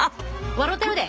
笑うてるで。